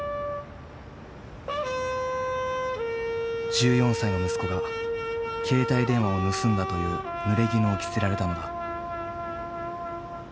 １４歳の息子が携帯電話を盗んだというぬれぎぬを着せられたのだ。